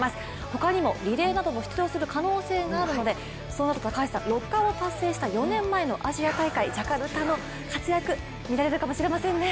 他にもリレーなどに出場する可能性があるのでそうなると６冠を達成した４年前、ジャカルタのような活躍、見られるかもしれませんね。